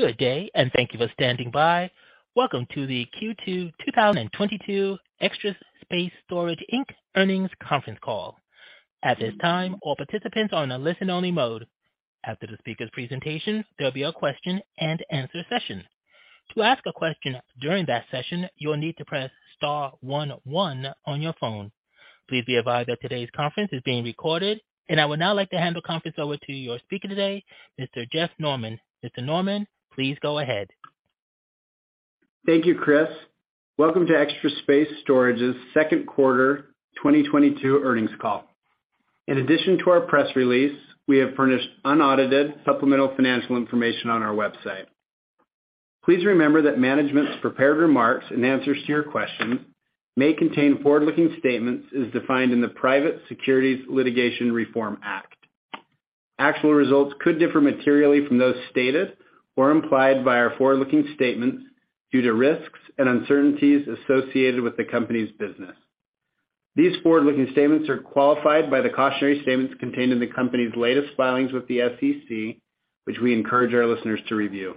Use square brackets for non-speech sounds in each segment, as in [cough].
Good day, and thank you for standing by. Welcome to the Q2 2022 Extra Space Storage Inc Earnings Conference Call. At this time, all participants are on a listen-only mode. After the speaker's presentation, there'll be a question-and-answer session. To ask a question during that session, you will need to press star one one on your phone. Please be advised that today's conference is being recorded. I would now like to hand the conference over to your speaker today, Mr. Jeff Norman. Mr. Norman, please go ahead. Thank you, Chris. Welcome to Extra Space Storage's second quarter 2022 earnings call. In addition to our press release, we have furnished unaudited supplemental financial information on our website. Please remember that management's prepared remarks and answers to your questions may contain forward-looking statements as defined in the Private Securities Litigation Reform Act. Actual results could differ materially from those stated or implied by our forward-looking statements due to risks and uncertainties associated with the company's business. These forward-looking statements are qualified by the cautionary statements contained in the company's latest filings with the SEC, which we encourage our listeners to review.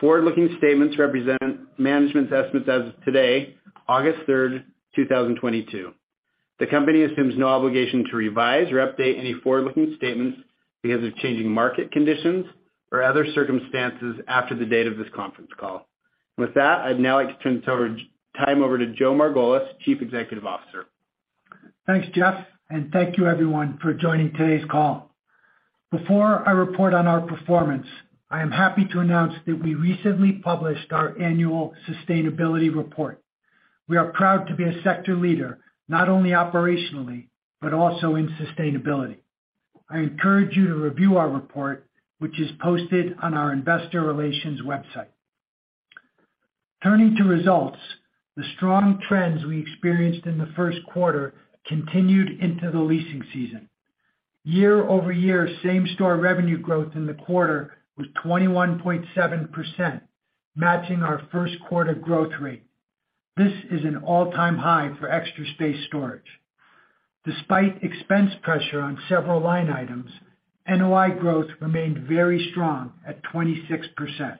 Forward-looking statements represent management's estimates as of today, August 3, 2022. The company assumes no obligation to revise or update any forward-looking statements because of changing market conditions or other circumstances after the date of this conference call. With that, I'd now like to turn the time over to Joe Margolis, Chief Executive Officer. Thanks, Jeff, and thank you everyone for joining today's call. Before I report on our performance, I am happy to announce that we recently published our annual sustainability report. We are proud to be a sector leader, not only operationally, but also in sustainability. I encourage you to review our report, which is posted on our investor relations website. Turning to results, the strong trends we experienced in the first quarter continued into the leasing season. Year-over-year same-store revenue growth in the quarter was 21.7%, matching our first quarter growth rate. This is an all-time high for Extra Space Storage. Despite expense pressure on several line items, NOI growth remained very strong at 26%.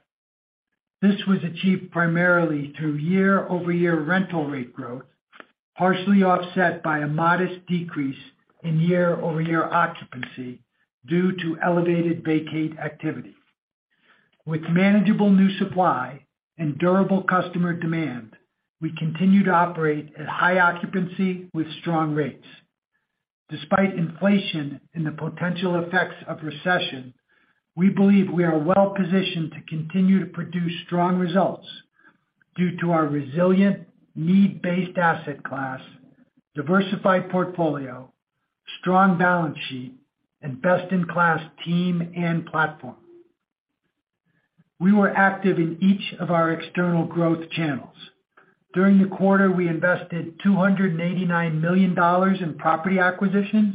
This was achieved primarily through year-over-year rental rate growth, partially offset by a modest decrease in year-over-year occupancy due to elevated vacate activity. With manageable new supply and durable customer demand, we continue to operate at high occupancy with strong rates. Despite inflation and the potential effects of recession, we believe we are well positioned to continue to produce strong results due to our resilient need-based asset class, diversified portfolio, strong balance sheet, and best-in-class team and platform. We were active in each of our external growth channels. During the quarter, we invested $289 million in property acquisitions,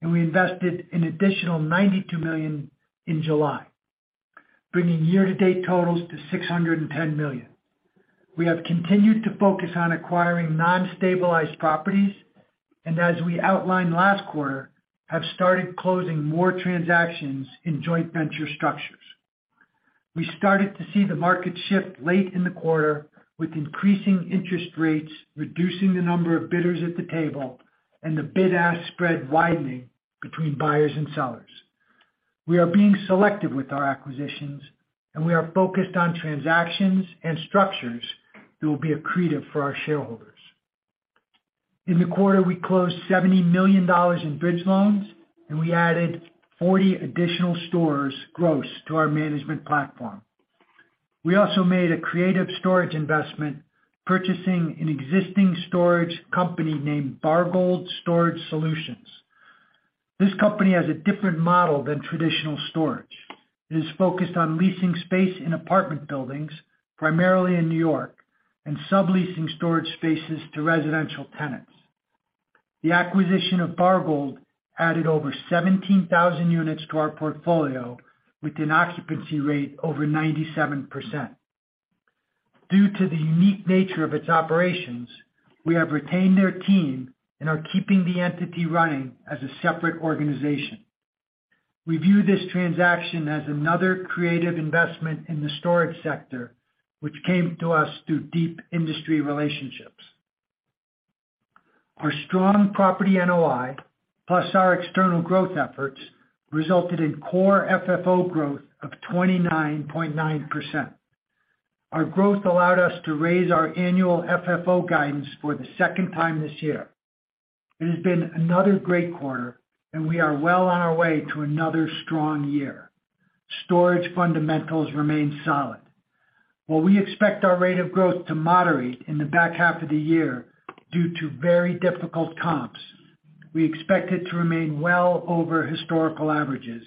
and we invested an additional $92 million in July, bringing year-to-date totals to $610 million. We have continued to focus on acquiring non-stabilized properties and as we outlined last quarter, have started closing more transactions in joint venture structures. We started to see the market shift late in the quarter with increasing interest rates, reducing the number of bidders at the table and the bid-ask spread widening between buyers and sellers. We are being selective with our acquisitions, and we are focused on transactions and structures that will be accretive for our shareholders. In the quarter, we closed $70 million in bridge loans, and we added 40 additional stores gross to our management platform. We also made a creative storage investment, purchasing an existing storage company named Bargold Storage Solutions. This company has a different model than traditional storage. It is focused on leasing space in apartment buildings, primarily in New York, and subleasing storage spaces to residential tenants. The acquisition of Bargold added over 17,000 units to our portfolio with an occupancy rate over 97%. Due to the unique nature of its operations, we have retained their team and are keeping the entity running as a separate organization. We view this transaction as another creative investment in the storage sector, which came to us through deep industry relationships. Our strong property NOI, plus our external growth efforts, resulted in core FFO growth of 29.9%. Our growth allowed us to raise our annual FFO guidance for the second time this year. It has been another great quarter, and we are well on our way to another strong year. Storage fundamentals remain solid. While we expect our rate of growth to moderate in the back half of the year due to very difficult comps, we expect it to remain well over historical averages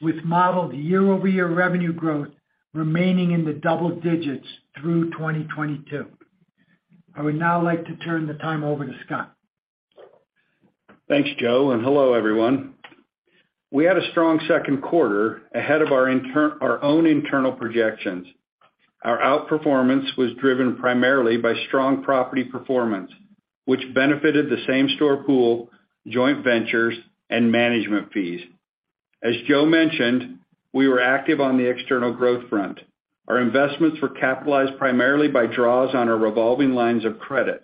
with modeled year-over-year revenue growth remaining in the double digits through 2022. I would now like to turn the time over to Scott. Thanks, Joe, and hello everyone. We had a strong second quarter ahead of our own internal projections. Our outperformance was driven primarily by strong property performance, which benefited the same-store pool, joint ventures, and management fees. As Joe mentioned, we were active on the external growth front. Our investments were capitalized primarily by draws on our revolving lines of credit.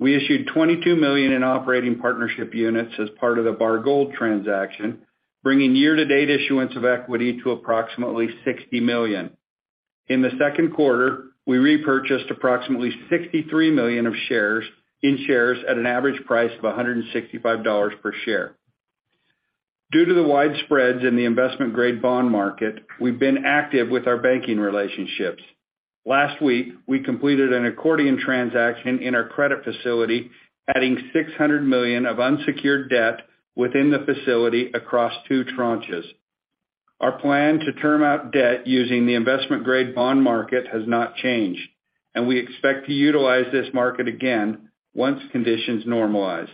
We issued $22 million in operating partnership units as part of the Bargold transaction, bringing year-to-date issuance of equity to approximately $60 million. In the second quarter, we repurchased approximately $63 million of shares at an average price of $165 per share. Due to the wide spreads in the investment grade bond market, we've been active with our banking relationships. Last week, we completed an accordion transaction in our credit facility, adding $600 million of unsecured debt within the facility across two tranches. Our plan to term out debt using the investment grade bond market has not changed, and we expect to utilize this market again once conditions normalize.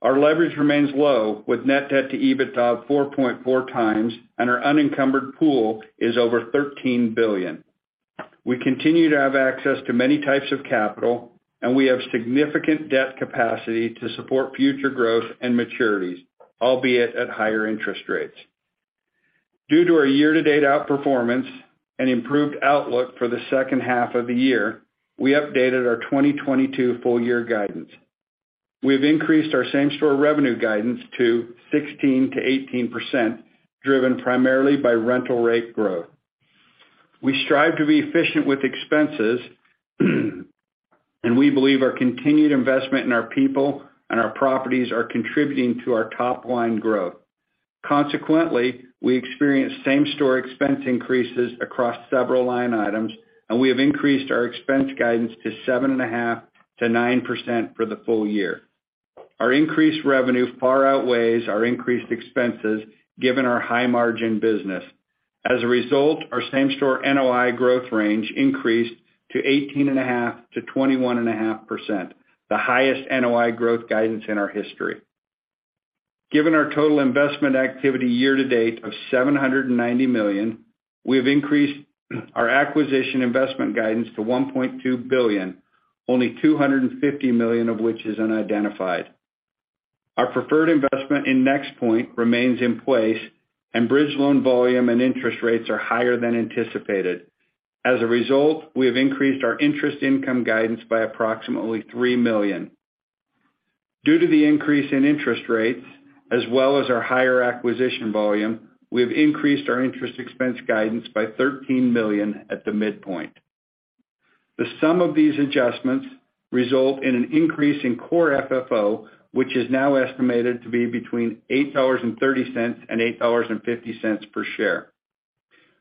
Our leverage remains low, with net debt to EBITDA of 4.4x, and our unencumbered pool is over $13 billion. We continue to have access to many types of capital, and we have significant debt capacity to support future growth and maturities, albeit at higher interest rates. Due to our year-to-date outperformance and improved outlook for the second half of the year, we updated our 2022 full-year guidance. We have increased our same-store revenue guidance to 16%-18%, driven primarily by rental rate growth. We strive to be efficient with expenses, and we believe our continued investment in our people and our properties are contributing to our top line growth. Consequently, we experienced same-store expense increases across several line items, and we have increased our expense guidance to 7.5%-9% for the full-year. Our increased revenue far outweighs our increased expenses given our high margin business. As a result, our same-store NOI growth range increased to 18.5%-21.5%, the highest NOI growth guidance in our history. Given our total investment activity year to date of $790 million, we have increased our acquisition investment guidance to $1.2 billion, only $250 million of which is unidentified. Our preferred investment in NexPoint remains in place, and bridge loan volume and interest rates are higher than anticipated. As a result, we have increased our interest income guidance by approximately $3 million. Due to the increase in interest rates as well as our higher acquisition volume, we have increased our interest expense guidance by $13 million at the midpoint. The sum of these adjustments result in an increase in core FFO, which is now estimated to be between $8.30 and $8.50 per share.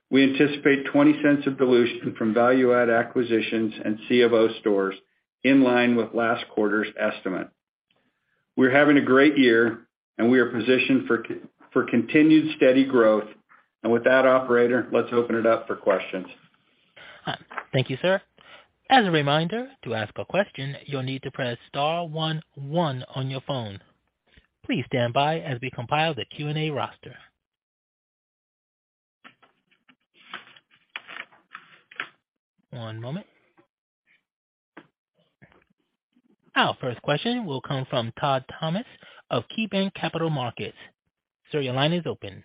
We anticipate $0.20 of dilution from value add acquisitions and CFO stores in line with last quarter's estimate. We're having a great year, and we are positioned for continued steady growth. With that, operator, let's open it up for questions. Thank you, sir. As a reminder, to ask a question, you'll need to press star one one on your phone. Please stand by as we compile the Q&A roster. One moment. Our first question will come from Todd Thomas of KeyBanc Capital Markets. Sir, your line is open.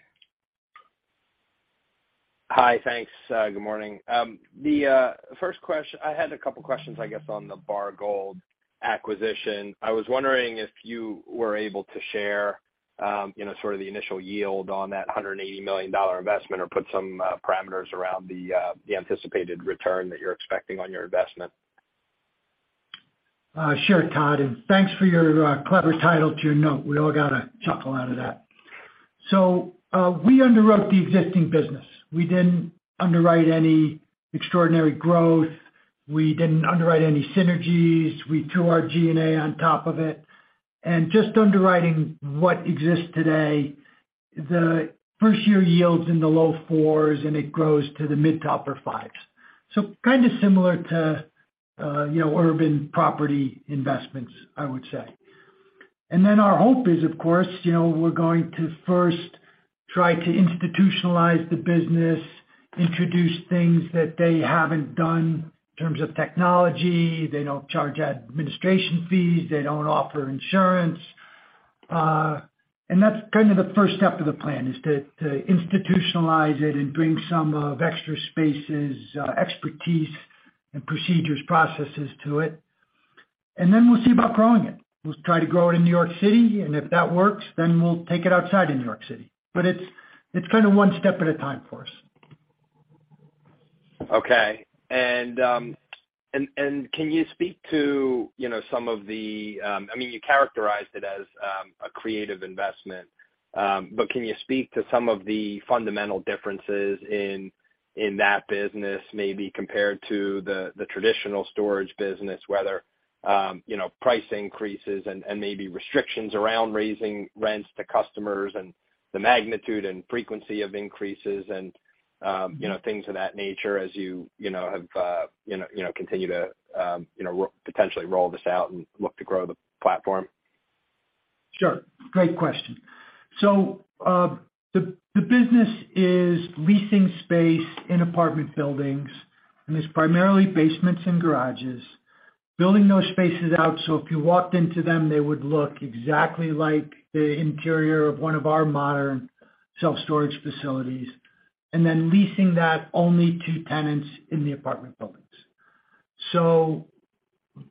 Hi. Thanks. Good morning. I had a couple of questions, I guess, on the Bargold acquisition. I was wondering if you were able to share, you know, sort of the initial yield on that $180 million investment or put some parameters around the anticipated return that you're expecting on your investment. Sure, Todd, and thanks for your clever title to your note. We all got a chuckle out of that. We underwrote the existing business. We didn't underwrite any extraordinary growth. We didn't underwrite any synergies. We threw our G&A on top of it. Just underwriting what exists today, the first year yields in the low fours, and it grows to the mid- to high fives. Kind of similar to, you know, urban property investments, I would say. Then our hope is, of course, you know, we're going to first try to institutionalize the business, introduce things that they haven't done in terms of technology. They don't charge administration fees. They don't offer insurance. That's kind of the first step of the plan is to institutionalize it and bring some of Extra Space's expertise and procedures, processes to it. Then we'll see about growing it. We'll try to grow it in New York City, and if that works, then we'll take it outside of New York City. It's kind of one step at a time for us. Okay. Can you speak to, you know, some of the. I mean, you characterized it as a creative investment, but can you speak to some of the fundamental differences in that business, maybe compared to the traditional storage business, whether you know price increases and maybe restrictions around raising rents to customers and the magnitude and frequency of increases and, you know, things of that nature as you know, have continued to, you know, potentially roll this out and look to grow the platform? Sure. Great question. The business is leasing space in apartment buildings, and it's primarily basements and garages, building those spaces out, so if you walked into them, they would look exactly like the interior of one of our modern self-storage facilities, and then leasing that only to tenants in the apartment buildings.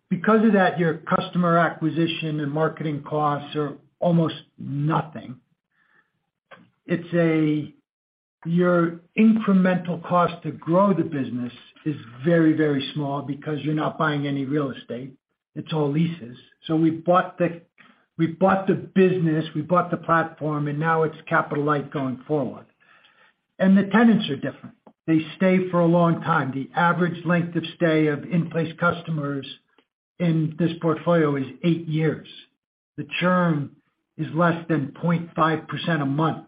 Because of that, your customer acquisition and marketing costs are almost nothing. Your incremental cost to grow the business is very, very small because you're not buying any real estate. It's all leases. We bought the business, we bought the platform, and now it's capital light going forward. The tenants are different. They stay for a long time. The average length of stay of in-place customers in this portfolio is eight years. The churn is less than 0.5% a month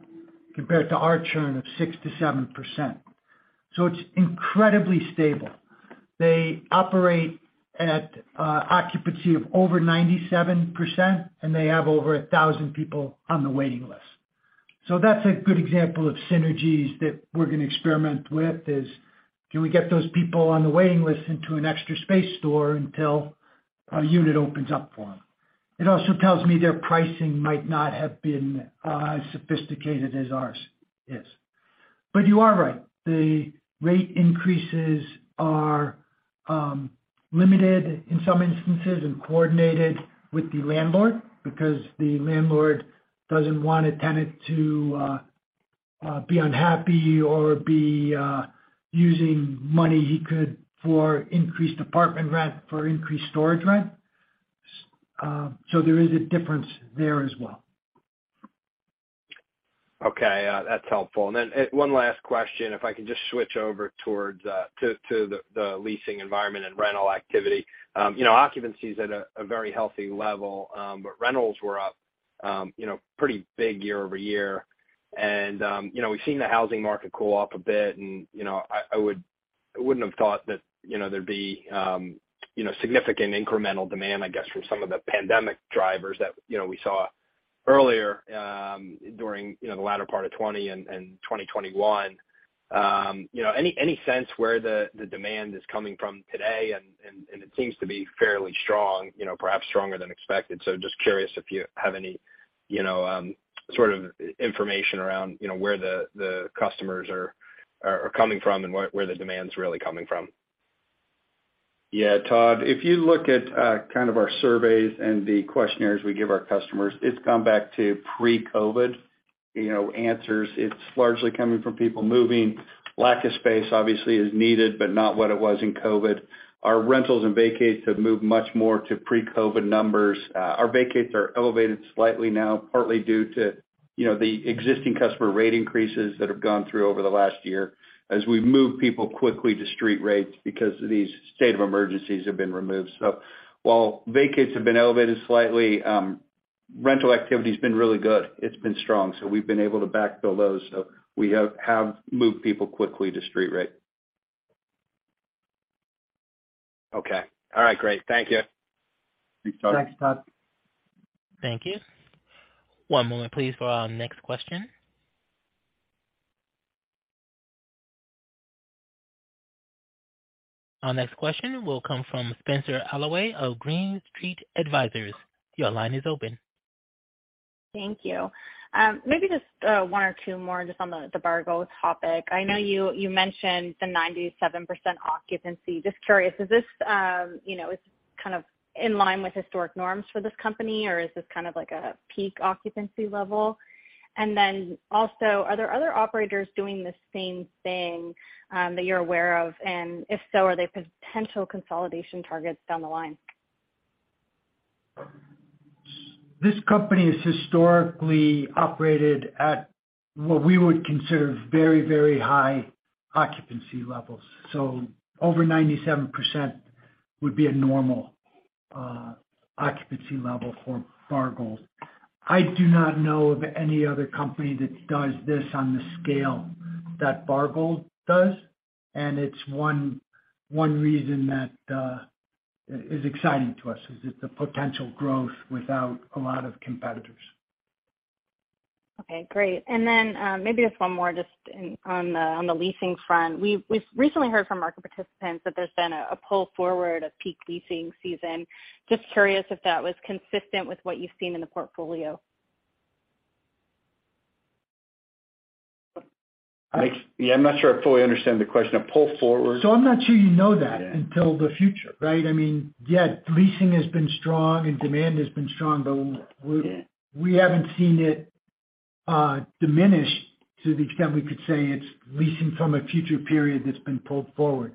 compared to our churn of 6%-7%. It's incredibly stable. They operate at occupancy of over 97%, and they have over 1,000 people on the waiting list. That's a good example of synergies that we're gonna experiment with: do we get those people on the waiting list into an Extra Space store until a unit opens up for them? It also tells me their pricing might not have been as sophisticated as ours is. You are right. The rate increases are limited in some instances and coordinated with the landlord because the landlord doesn't want a tenant to be unhappy or be using money he could for increased apartment rent for increased storage rent. So there is a difference there as well. Okay. That's helpful. One last question, if I can just switch over to the leasing environment and rental activity. You know, occupancy is at a very healthy level, but rentals were up, you know, pretty big year-over-year. We've seen the housing market cool off a bit and, you know, I wouldn't have thought that, you know, there'd be, you know, significant incremental demand, I guess, from some of the pandemic drivers that, you know, we saw earlier, during, you know, the latter part of 2020 and 2021. You know, any sense where the demand is coming from today? It seems to be fairly strong, you know, perhaps stronger than expected. Just curious if you have any, you know, sort of information around, you know, where the customers are coming from and where the demand's really coming from. Yeah, Todd, if you look at kind of our surveys and the questionnaires we give our customers, it's gone back to pre-COVID, you know, answers. It's largely coming from people moving. Lack of space obviously is needed, but not what it was in COVID. Our rentals and vacates have moved much more to pre-COVID numbers. Our vacates are elevated slightly now, partly due to, you know, the existing customer rate increases that have gone through over the last year as we've moved people quickly to street rates because these state of emergencies have been removed. While vacates have been elevated slightly, rental activity's been really good. It's been strong, so we've been able to backfill those. We have moved people quickly to street rate. Okay. All right, great. Thank you. Thanks, Todd. Thanks, Todd. Thank you. One moment, please, for our next question. Our next question will come from Spenser Allaway of Green Street Advisors. Your line is open. Thank you. Maybe just one or two more just on the Bargold topic. I know you mentioned the 97% occupancy. Just curious, is this, you know, is kind of in line with historic norms for this company, or is this kind of like a peak occupancy level? And then also, are there other operators doing the same thing that you're aware of? And if so, are they potential consolidation targets down the line? This company has historically operated at what we would consider very, very high occupancy levels. Over 97% would be a normal occupancy level for Bargold. I do not know of any other company that does this on the scale that Bargold does, and it's one reason that is exciting to us, is it's the potential growth without a lot of competitors. Okay, great. Maybe just one more on the leasing front. We've recently heard from market participants that there's been a pull forward of peak leasing season. Just curious if that was consistent with what you've seen in the portfolio. Yeah, I'm not sure I fully understand the question. A pull forward. I'm not sure you know that. Yeah. Until the future, right? I mean, yeah, leasing has been strong and demand has been strong, but we Yeah. We haven't seen it diminish to the extent we could say it's leasing from a future period that's been pulled forward.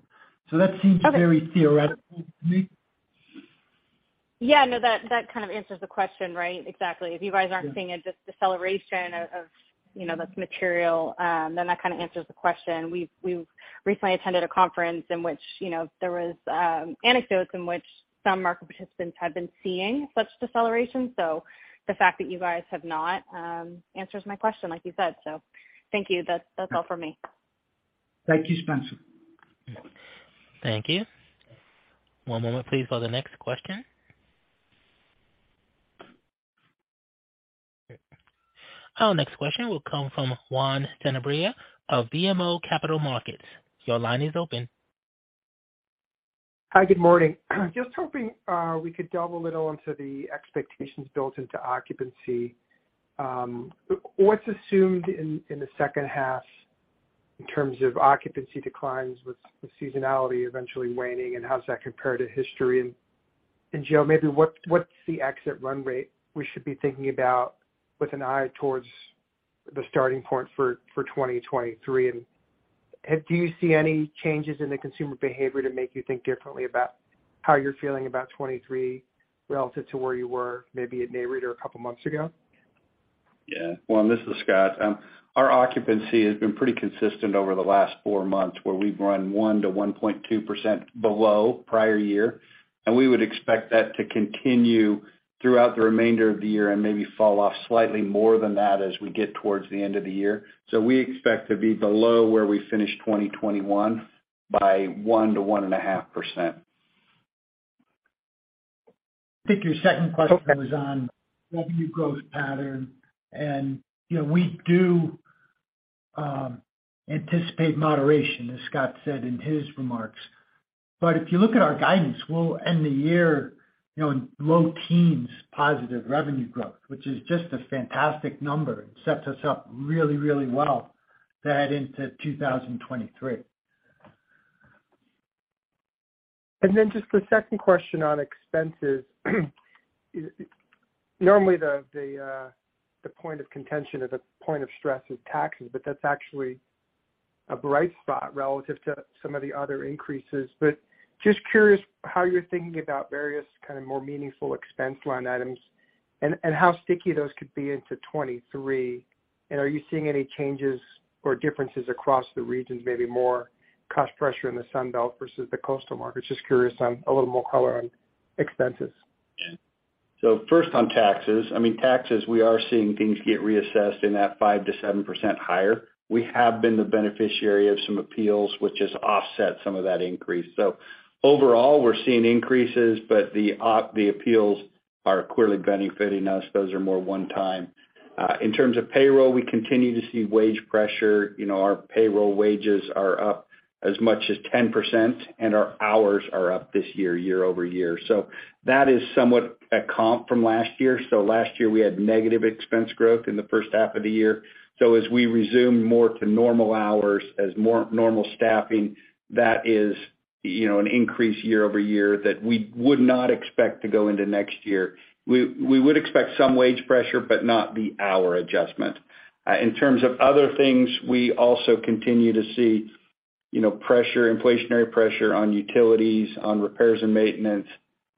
That seems- Okay. Very theoretical to me. Yeah, no, that kind of answers the question, right? Exactly. If you guys aren't seeing just deceleration of, you know, that's material, then that kinda answers the question. We've recently attended a conference in which, you know, there was anecdotes in which some market participants had been seeing such deceleration. The fact that you guys have not answers my question, like you said. Thank you. That's all for me. Thank you, Spenser. Thank you. One moment please for the next question. Our next question will come from Juan Sanabria of BMO Capital Markets. Your line is open. Hi, good morning. Just hoping we could delve a little into the expectations built into occupancy. What's assumed in the second half in terms of occupancy declines with seasonality eventually waning, and how does that compare to history? Joe, maybe what's the exit run rate we should be thinking about with an eye towards the starting point for 2023? Do you see any changes in the consumer behavior that make you think differently about how you're feeling about 2023 relative to where you were maybe at Nareit or a couple months ago? Yeah. Juan, this is Scott. Our occupancy has been pretty consistent over the last four months, where we've run 1%-1.2% below prior year, and we would expect that to continue throughout the remainder of the year and maybe fall off slightly more than that as we get towards the end of the year. We expect to be below where we finished 2021 by 1%-1.5%. I think your second question was on revenue growth pattern. You know, we do anticipate moderation, as Scott said in his remarks. If you look at our guidance, we'll end the year, you know, in low teens positive revenue growth, which is just a fantastic number. It sets us up really, really well to head into 2023. Just the second question on expenses. Normally, the point of contention or the point of stress is taxes, but that's actually a bright spot relative to some of the other increases. Just curious how you're thinking about various kind of more meaningful expense line items and how sticky those could be into 2023. Are you seeing any changes or differences across the regions, maybe more cost pressure in the Sun Belt versus the coastal markets? Just curious on a little more color on expenses. First on taxes. I mean, taxes, we are seeing things get reassessed in that 5%-7% higher. We have been the beneficiary of some appeals, which has offset some of that increase. Overall, we're seeing increases, but the appeals are clearly benefiting us. Those are more one-time. In terms of payroll, we continue to see wage pressure. You know, our payroll wages are up as much as 10%, and our hours are up this year-over-year. That is somewhat a comp from last year. Last year, we had negative expense growth in the first half of the year. As we resume more to normal hours as more normal staffing, that is, you know, an increase year-over-year that we would not expect to go into next year. We would expect some wage pressure but not the hour adjustment. In terms of other things, we also continue to see, you know, pressure, inflationary pressure on utilities, on repairs and maintenance.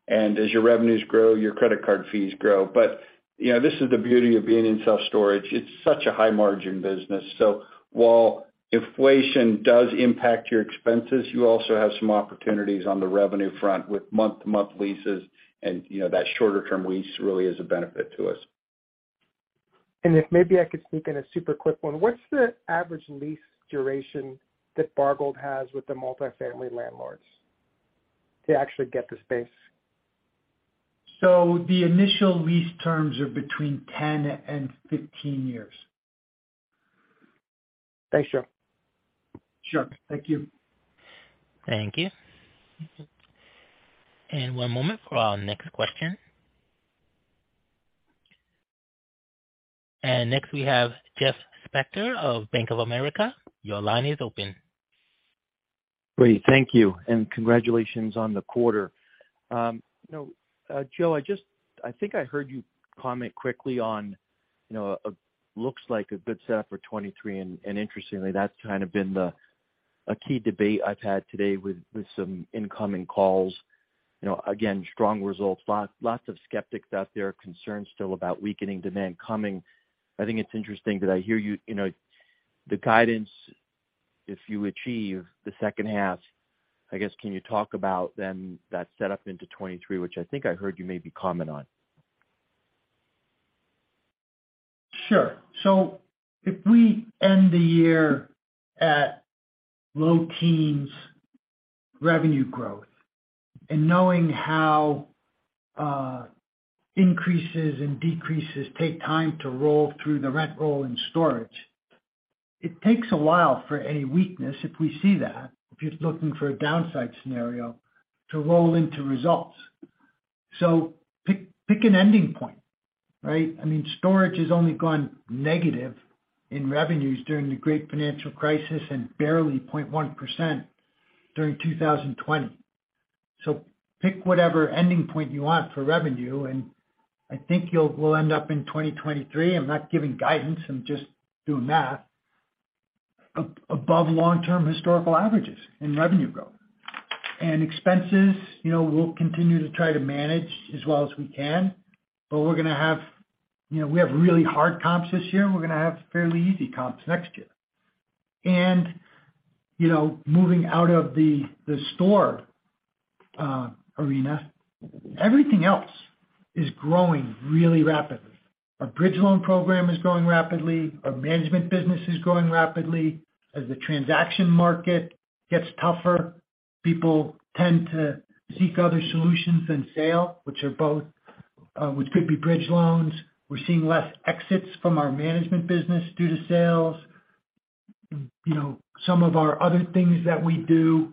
As your revenues grow, your credit card fees grow. You know, this is the beauty of being in self-storage. It's such a high-margin business. While inflation does impact your expenses, you also have some opportunities on the revenue front with month-to-month leases and, you know, that shorter term lease really is a benefit to us. If maybe I could sneak in a super quick one. What's the average lease duration that Bargold has with the multifamily landlords to actually get the space? The initial lease terms are between 10 and 15 years. Thanks, Joe. Sure. Thank you. Thank you. One moment for our next question. Next, we have Jeff Spector of Bank of America. Your line is open. Great. Thank you, and congratulations on the quarter. Joe, I think I heard you comment quickly on looks like a good setup for 2023, and interestingly, that's kind of been a key debate I've had today with some incoming calls. Again, strong results, lots of skeptics out there, concerns still about weakening demand coming. I think it's interesting that I hear you. The guidance if you achieve the second half, I guess, can you talk about then that setup into 2023, which I think I heard you maybe comment on? Sure. If we end the year at low teens revenue growth and knowing how increases and decreases take time to roll through the rent roll in storage, it takes a while for any weakness, if we see that, if you're looking for a downside scenario, to roll into results. Pick an ending point, right? I mean, storage has only gone negative in revenues during the Great Financial Crisis and barely 0.1% during 2020. Pick whatever ending point you want for revenue, and I think we'll end up in 2023, I'm not giving guidance, I'm just doing math, above long-term historical averages in revenue growth. Expenses, you know, we'll continue to try to manage as well as we can, but we're gonna have. You know, we have really hard comps this year, and we're gonna have fairly easy comps next year. You know, moving out of the storage arena, everything else is growing really rapidly. Our bridge loan program is growing rapidly. Our management business is growing rapidly. As the transaction market gets tougher, people tend to seek other solutions than sale, which could be bridge loans. We're seeing less exits from our management business due to sales. You know, some of our other things that we do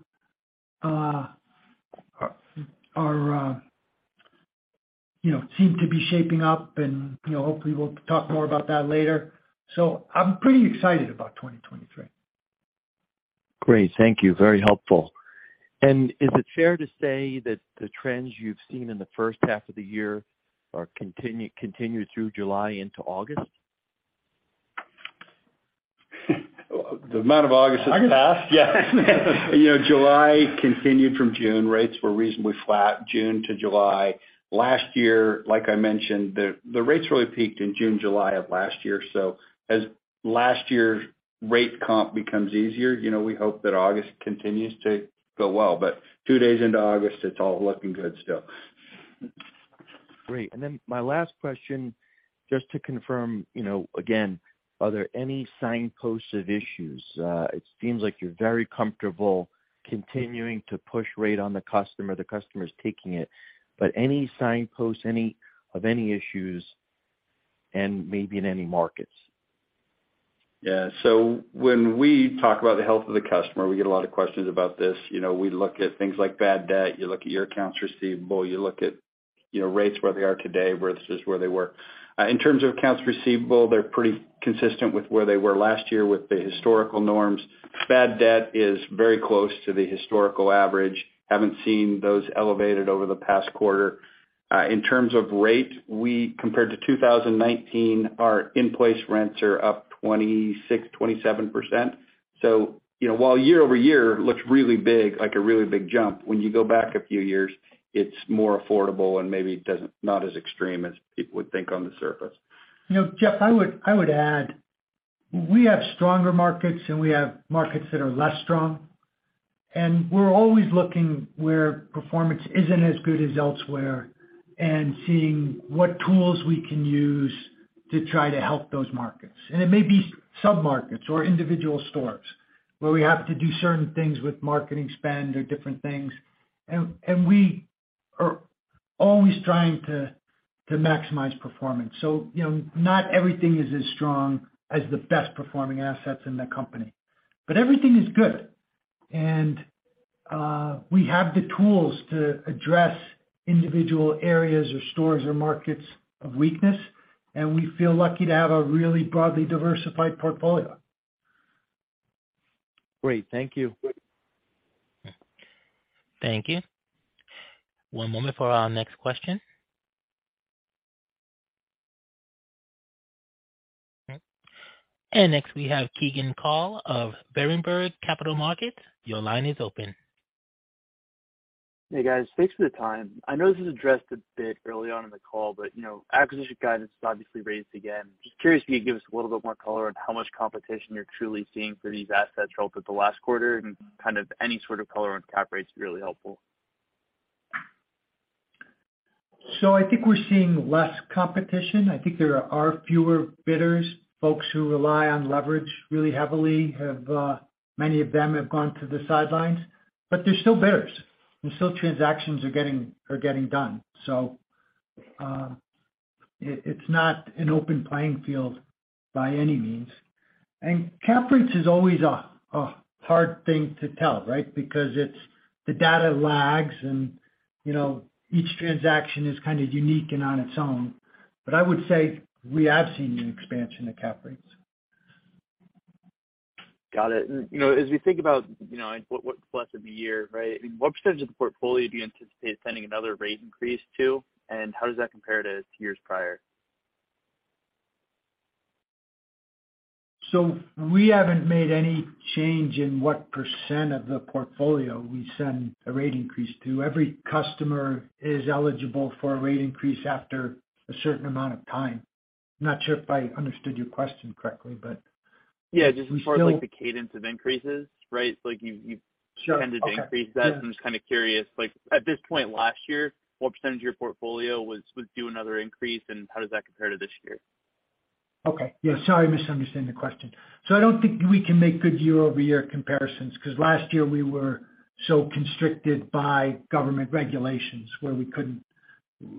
seem to be shaping up and, you know, hopefully we'll talk more about that later. I'm pretty excited about 2023. Great. Thank you. Very helpful. Is it fair to say that the trends you've seen in the first half of the year are continuing through July into August? The month of August is past. Yes. You know, July continued from June. Rates were reasonably flat June to July. Last year, like I mentioned, the rates really peaked in June, July of last year. As last year's rate comp becomes easier, you know, we hope that August continues to go well, but two days into August, it's all looking good still. Great. My last question, just to confirm, you know, again, are there any signposts of issues? It seems like you're very comfortable continuing to push rate on the customer, the customer's taking it, but any signposts, any issues and maybe in any markets? Yeah. When we talk about the health of the customer, we get a lot of questions about this. You know, we look at things like bad debt. You look at your accounts receivable, you look at, you know, rates where they are today versus where they were. In terms of accounts receivable, they're pretty consistent with where they were last year with the historical norms. Bad debt is very close to the historical average. Haven't seen those elevated over the past quarter. In terms of rate, we compared to 2019, our in-place rents are up 26%-27%. You know, while year-over-year looks really big, like a really big jump, when you go back a few years, it's more affordable and maybe not as extreme as people would think on the surface. You know, Jeff, I would add, we have stronger markets and we have markets that are less strong. We're always looking where performance isn't as good as elsewhere and seeing what tools we can use to try to help those markets. It may be sub-markets or individual stores where we have to do certain things with marketing spend or different things. We are always trying to maximize performance. You know, not everything is as strong as the best performing assets in the company, but everything is good. We have the tools to address individual areas or stores or markets of weakness, and we feel lucky to have a really broadly diversified portfolio. Great. Thank you. Thank you. One moment for our next question. Next we have Ki Bin Kim of Berenberg Capital Markets. Your line is open. Hey, guys. Thanks for the time. I know this was addressed a bit early on in the call, but, you know, acquisition guidance is obviously raised again. Just curious if you could give us a little bit more color on how much competition you're truly seeing for these assets throughout the last quarter and kind of any sort of color on cap rates would be really helpful. I think we're seeing less competition. I think there are fewer bidders. Folks who rely on leverage really heavily have, many of them have gone to the sidelines, but there's still bidders and still transactions are getting done. It's not an open playing field by any means. Cap rates is always a hard thing to tell, right? Because the data lags and, you know, each transaction is kind of unique and on its own. I would say we have seen an expansion of cap rates. Got it. You know, as we think about, you know, what's left of the year, right, what percentage of the portfolio do you anticipate sending another rate increase to? How does that compare to years prior? We haven't made any change in what percent of the portfolio we send a rate increase to. Every customer is eligible for a rate increase after a certain amount of time. Not sure if I understood your question correctly, but we still- Yeah, just in terms of, like, the cadence of increases, right? Like you've Sure. Okay. Yeah. Tended to increase that. I'm just kind of curious, like at this point last year, what percentage of your portfolio was due another increase and how does that compare to this year? Okay. Yeah, sorry, I misunderstood the question. I don't think we can make good year-over-year comparisons because last year we were so constricted by government regulations where we couldn't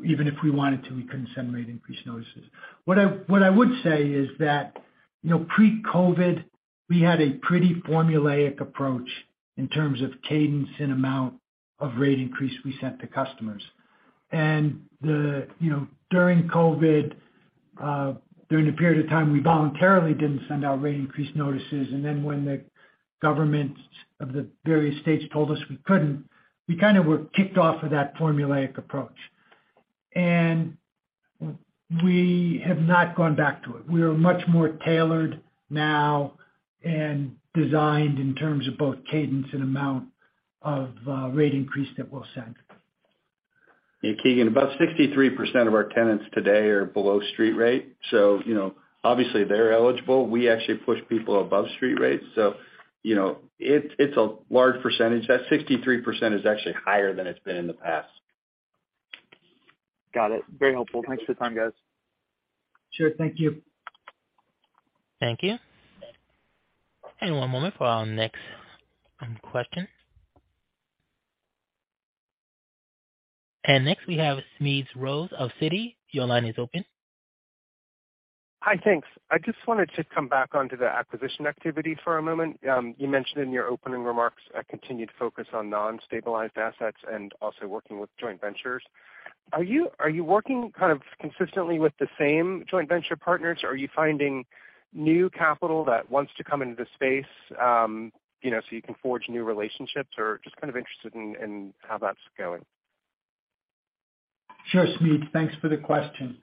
even if we wanted to, we couldn't send rate increase notices. What I would say is that, you know, pre-COVID, we had a pretty formulaic approach in terms of cadence and amount of rate increase we sent to customers. You know, during COVID, during the period of time, we voluntarily didn't send out rate increase notices. When the governments of the various states told us we couldn't, we kind of were kicked off of that formulaic approach. We have not gone back to it. We are much more tailored now and designed in terms of both cadence and amount of rate increase that we'll send. Yeah, Ki Bin Kim, about 63% of our tenants today are below street rate. You know, obviously they're eligible. We actually push people above street rate. You know, it's a large percentage. That 63% is actually higher than it's been in the past. Got it. Very helpful. Thanks for the time, guys. Sure. Thank you. Thank you. One moment for our next question. Next, we have Smedes Rose of Citi. Your line is open. Hi. Thanks. I just wanted to come back onto the acquisition activity for a moment. You mentioned in your opening remarks a continued focus on non-stabilized assets and also working with joint ventures. Are you working kind of consistently with the same joint venture partners? Are you finding new capital that wants to come into the space, you know, so you can forge new relationships? Or just kind of interested in how that's going. Sure, Smedes. Thanks for the question.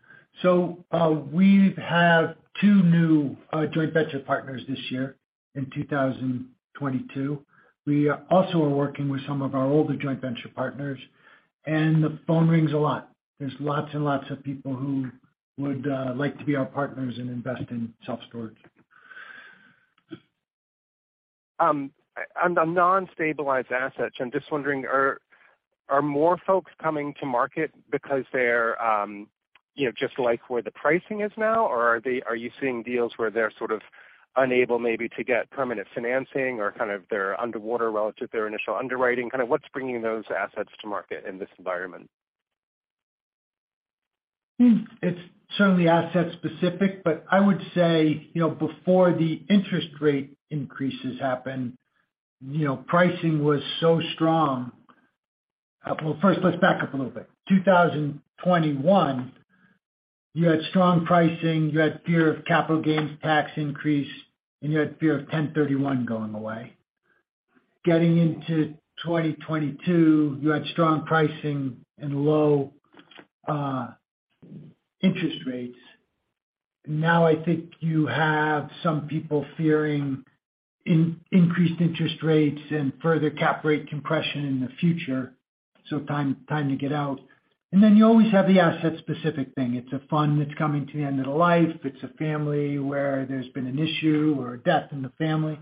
We have two new joint venture partners this year in 2022. We also are working with some of our older joint venture partners, and the phone rings a lot. There's lots and lots of people who would like to be our partners and invest in self-storage. On the non-stabilized assets, I'm just wondering, are more folks coming to market because they're, you know, just like where the pricing is now? Or are you seeing deals where they're sort of unable maybe to get permanent financing or kind of they're underwater relative to their initial underwriting? Kind of what's bringing those assets to market in this environment? It's certainly asset specific, but I would say, you know, before the interest rate increases happened, you know, pricing was so strong. Well, first let's back up a little bit. 2021, you had strong pricing, you had fear of capital gains tax increase, and you had fear of Section 1031 going away. Getting into 2022, you had strong pricing and low interest rates. Now, I think you have some people fearing increased interest rates and further cap rate compression in the future, so time to get out. Then you always have the asset specific thing. It's a fund that's coming to the end of the life. It's a family where there's been an issue or a death in the family.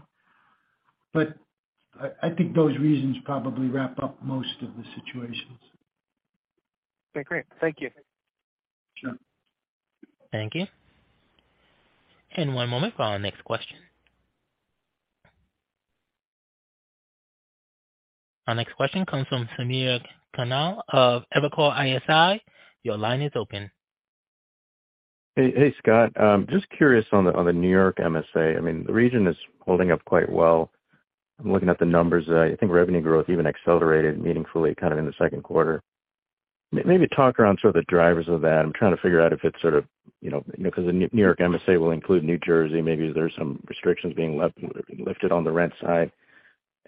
I think those reasons probably wrap up most of the situations. Okay, great. Thank you. Sure. Thank you. One moment for our next question. Our next question comes from Samir Khanal of Evercore ISI. Your line is open. Hey, hey, Scott. Just curious on the New York MSA. I mean, the region is holding up quite well. I'm looking at the numbers. I think revenue growth even accelerated meaningfully kind of in the second quarter. Maybe talk around sort of the drivers of that. I'm trying to figure out if it's sort of, you know, because the New York MSA will include New Jersey, maybe there's some restrictions being lifted on the rent side.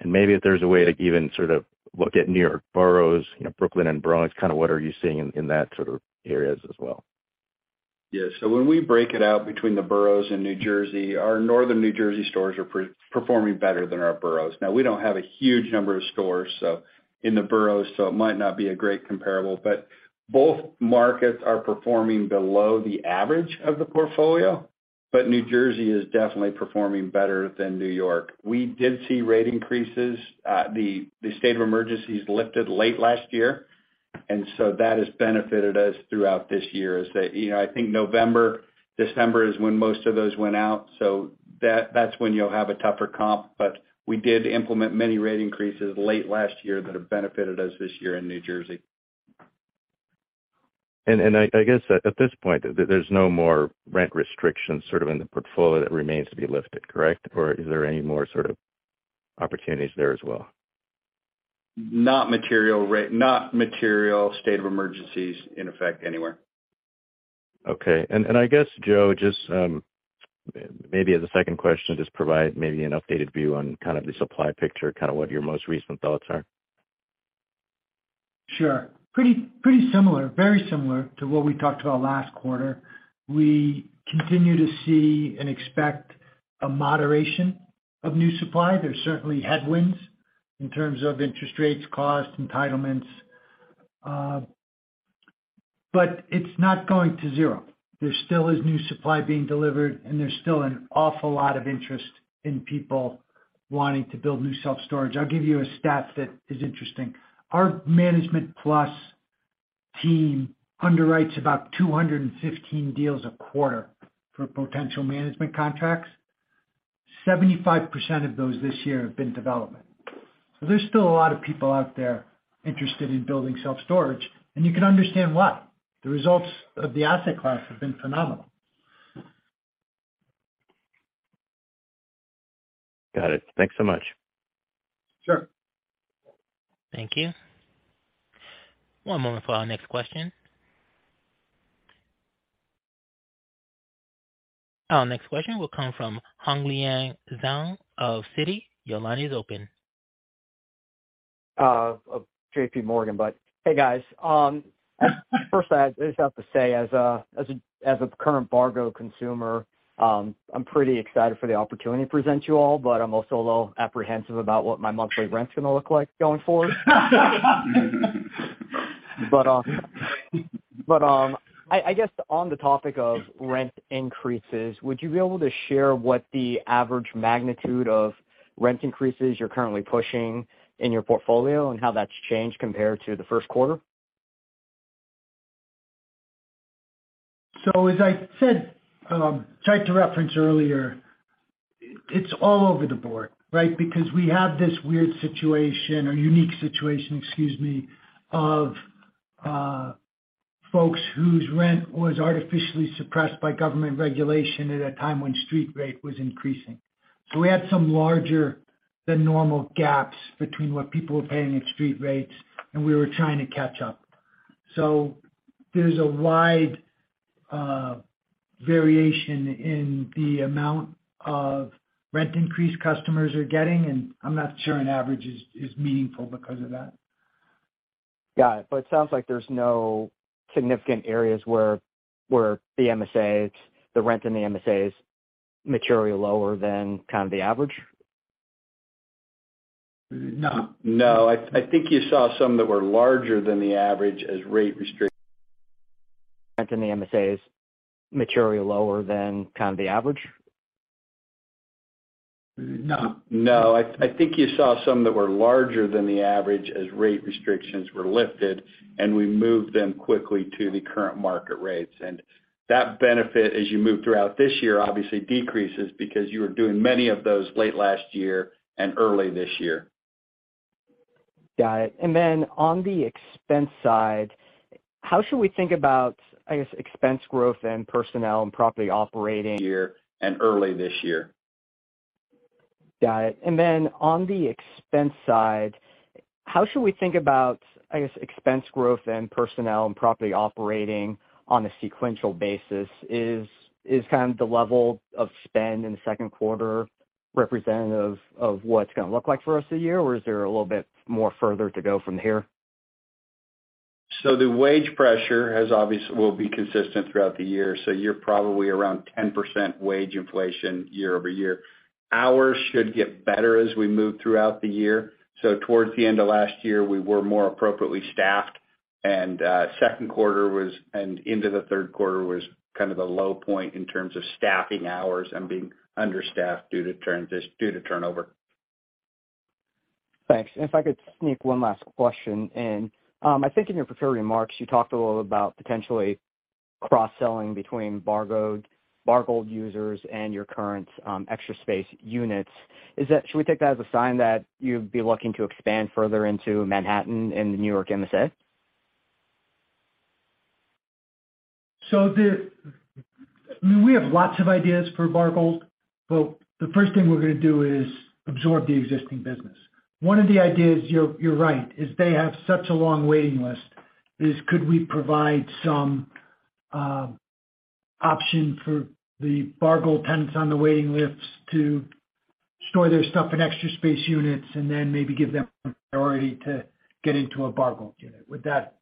Maybe if there's a way to even sort of look at New York boroughs, you know, Brooklyn and Bronx, kind of what are you seeing in that sort of areas as well? Yeah. When we break it out between the boroughs and New Jersey, our northern New Jersey stores are performing better than our boroughs. Now, we don't have a huge number of stores, so in the boroughs, so it might not be a great comparable, but both markets are performing below the average of the portfolio. New Jersey is definitely performing better than New York. We did see rate increases. The state of emergency is lifted late last year, and so that has benefited us throughout this year. You know, I think November, December is when most of those went out, so that's when you'll have a tougher comp. We did implement many rate increases late last year that have benefited us this year in New Jersey. I guess at this point, there's no more rent restrictions sort of in the portfolio that remains to be lifted, correct? Or is there any more sort of opportunities there as well? Not material state of emergencies in effect anywhere. Okay. I guess, Joe, just maybe as a second question, just provide maybe an updated view on kind of the supply picture, kind of what your most recent thoughts are. Sure. Pretty similar, very similar to what we talked about last quarter. We continue to see and expect a moderation of new supply. There's certainly headwinds in terms of interest rates, cost, entitlements, but it's not going to zero. There still is new supply being delivered, and there's still an awful lot of interest in people wanting to build new self-storage. I'll give you a stat that is interesting. Our management plus team underwrites about 215 deals a quarter for potential management contracts. 75% of those this year have been development. There's still a lot of people out there interested in building self-storage, and you can understand why. The results of the asset class have been phenomenal. Got it. Thanks so much. Sure. Thank you. One moment for our next question. Our next question will come from [audio distortion] of Citi. Your line is open. It's JPMorgan. Hey, guys. First I just have to say as a current Bargold consumer, I'm pretty excited for the opportunity to present you all, but I'm also a little apprehensive about what my monthly rent's gonna look like going forward. I guess on the topic of rent increases, would you be able to share what the average magnitude of rent increases you're currently pushing in your portfolio and how that's changed compared to the first quarter. As I said, tried to reference earlier, it's all over the board, right? Because we have this weird situation or unique situation, excuse me, of folks whose rent was artificially suppressed by government regulation at a time when street rate was increasing. We had some larger than normal gaps between what people were paying at street rates, and we were trying to catch up. There's a wide variation in the amount of rent increase customers are getting, and I'm not sure an average is meaningful because of that. Got it. It sounds like there's no significant areas where the MSAs, the rent in the MSAs materially lower than kind of the average. No. No. I think you saw some that were larger than the average as rate restrict- The MSAs materially lower than kind of the average. No. No. I think you saw some that were larger than the average as rate restrictions were lifted, and we moved them quickly to the current market rates. That benefit, as you move throughout this year, obviously decreases because you were doing many of those late last year and early this year. Got it. On the expense side, how should we think about, I guess, expense growth and personnel and property operating? Year and early this year. Got it. On the expense side, how should we think about, I guess, expense growth and personnel and property operating on a sequential basis? Is kind of the level of spend in the second quarter representative of what it's gonna look like for us this year? Or is there a little bit more further to go from here? The wage pressure will be consistent throughout the year, so you're probably around 10% wage inflation year-over-year. Hours should get better as we move throughout the year. Towards the end of last year, we were more appropriately staffed. Second quarter and into the third quarter was kind of the low point in terms of staffing hours and being understaffed due to turnover. Thanks. If I could sneak one last question in. I think in your prepared remarks, you talked a little about potentially cross-selling between Bargold users and your current Extra Space units. Should we take that as a sign that you'd be looking to expand further into Manhattan in the New York MSA? We have lots of ideas for Bargold, but the first thing we're gonna do is absorb the existing business. One of the ideas, you're right, is they have such a long waiting list. Could we provide some option for the Bargold tenants on the waiting lists to store their stuff in Extra Space units and then maybe give them priority to get into a Bargold unit? Would that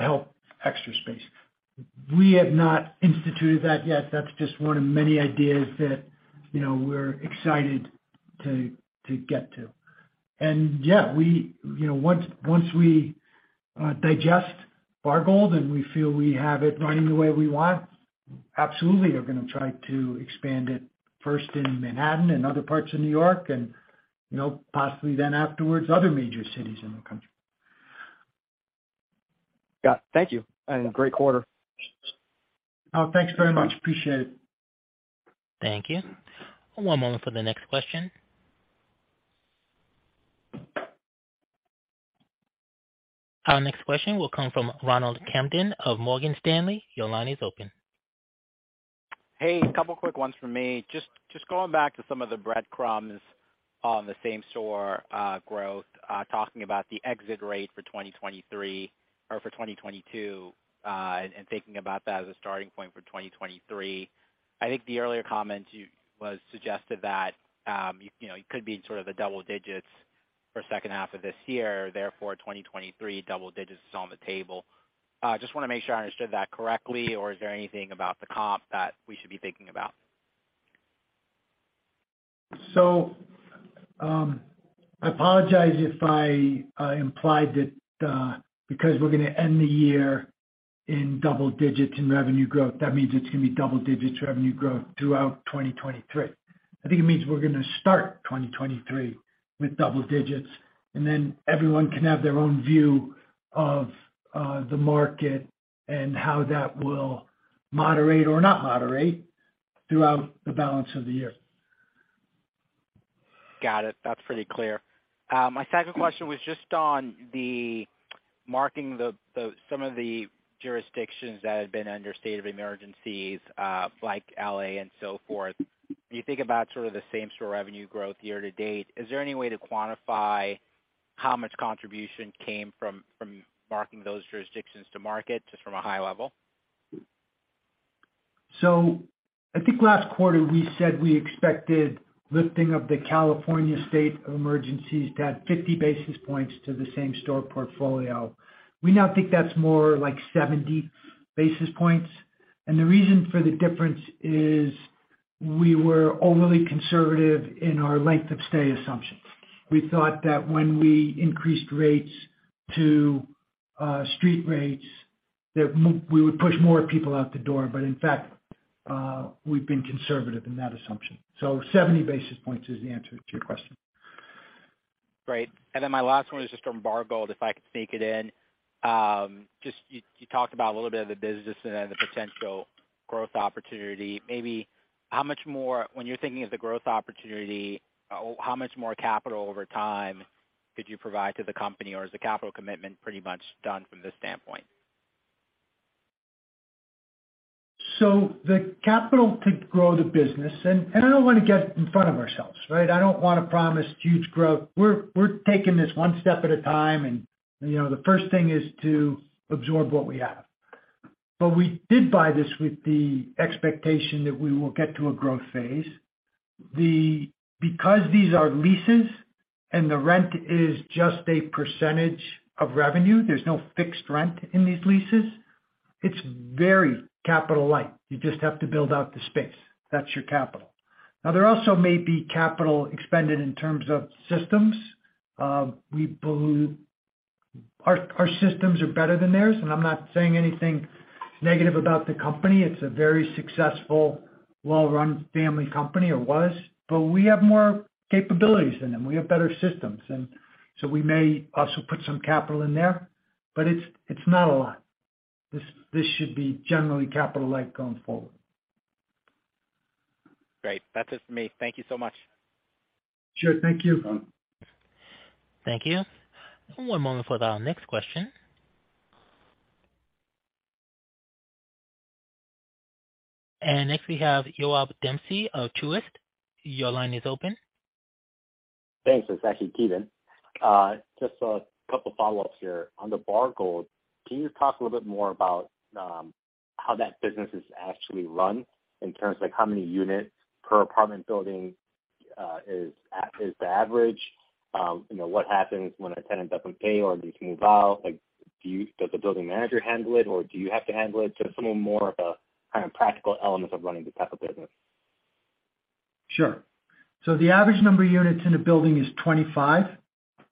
help Extra Space? We have not instituted that yet. That's just one of many ideas that, you know, we're excited to get to. Yeah, you know, once we digest Bargold and we feel we have it running the way we want, absolutely are gonna try to expand it first in Manhattan and other parts of New York and, you know, possibly then afterwards, other major cities in the country. Got it. Thank you and great quarter. Oh, thanks very much. Appreciate it. Thank you. One moment for the next question. Our next question will come from Ronald Kamdem of Morgan Stanley. Your line is open. Hey, a couple quick ones from me. Just going back to some of the breadcrumbs on the same-store growth, talking about the exit rate for 2023 or for 2022, and thinking about that as a starting point for 2023. I think the earlier comment was suggested that, you know, it could be in sort of the double digits for second half of this year, therefore 2023 double digits is on the table. Just wanna make sure I understood that correctly, or is there anything about the comp that we should be thinking about? I apologize if I implied that because we're gonna end the year in double digits in revenue growth, that means it's gonna be double digits revenue growth throughout 2023. I think it means we're gonna start 2023 with double digits, and then everyone can have their own view of the market and how that will moderate or not moderate throughout the balance of the year. Got it. That's pretty clear. My second question was just on the marking some of the jurisdictions that had been under state of emergencies, like L.A. and so forth. When you think about sort of the same-store revenue growth year to date, is there any way to quantify how much contribution came from marking those jurisdictions to market, just from a high level? I think last quarter we said we expected lifting of the California state of emergencies to add 50 basis points to the same-store portfolio. We now think that's more like 70 basis points. The reason for the difference is we were overly conservative in our length of stay assumptions. We thought that when we increased rates to street rates, that we would push more people out the door. In fact, we've been conservative in that assumption. Seventy basis points is the answer to your question. Great. My last one is just from Bargold, if I could sneak it in. Just you talked about a little bit of the business and then the potential growth opportunity. When you're thinking of the growth opportunity, how much more capital over time could you provide to the company? Or is the capital commitment pretty much done from this standpoint? The capital could grow the business. I don't wanna get in front of ourselves, right? I don't wanna promise huge growth. We're taking this one step at a time and, you know, the first thing is to absorb what we have. We did buy this with the expectation that we will get to a growth phase. Because these are leases and the rent is just a percentage of revenue, there's no fixed rent in these leases, it's very capital light. You just have to build out the space. That's your capital. Now, there also may be capital expended in terms of systems. We believe our systems are better than theirs, and I'm not saying anything negative about the company. It's a very successful, well-run family company or was. We have more capabilities in them. We have better systems, and so we may also put some capital in there, but it's not a lot. This should be generally capital light going forward. Great. That's it for me. Thank you so much. Sure. Thank you. Thank you. One moment for our next question. Next, we have Ki Bin Kim of Truist. Your line is open. Thanks. It's actually Ki Bin. Just a couple follow-ups here. On the Bargold, can you talk a little bit more about how that business is actually run in terms of like how many units per apartment building is the average? You know, what happens when a tenant doesn't pay or needs to move out? Like, does the building manager handle it, or do you have to handle it? Just a little more of the kind of practical elements of running this type of business. Sure. The average number of units in a building is 25,